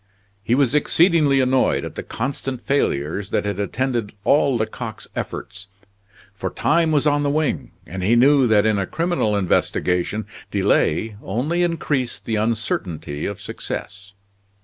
He was exceedingly annoyed at the constant failures that had attended all Lecoq's efforts; for time was on the wing, and he knew that in a criminal investigation delay only increased the uncertainty of success.